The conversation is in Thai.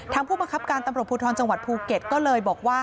ผู้บังคับการตำรวจภูทรจังหวัดภูเก็ตก็เลยบอกว่า